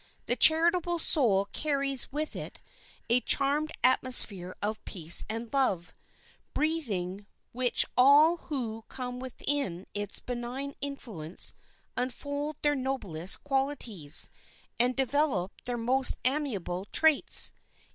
The charitable soul carries with it a charmed atmosphere of peace and love, breathing which all who come within its benign influence unfold their noblest qualities, and develop their most amiable traits.